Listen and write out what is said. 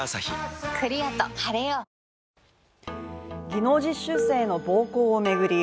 技能実習生への暴行を巡り